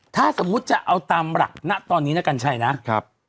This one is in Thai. ถ้าสมมติจะเอาตามหลักตอนนี้นะครับกัญชัยนะ